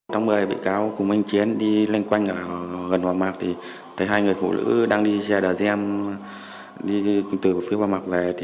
trong ngày bị cáo cùng anh chiến đi lênh quanh gần hòa mạc thấy hai người phụ nữ đang đi xe đà gem đi từ phía hòa mạc về